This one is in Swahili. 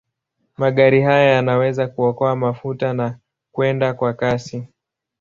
Magari haya yanaweza kuokoa mafuta na kwenda kwa kasi.